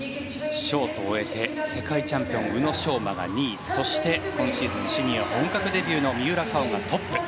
ショートを終えて世界チャンピオン宇野昌磨が２位そして、今シーズンシニア本格デビューの三浦佳生がトップ。